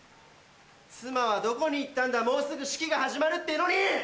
妻はどこに行ったんだもうすぐ式が始まるってのに！